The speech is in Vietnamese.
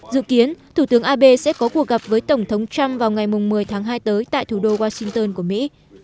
dự kiến thủ tướng abe sẽ có cuộc gặp với tổng thống trump vào ngày một mươi tháng hai tới tại thủ đô washington của mỹ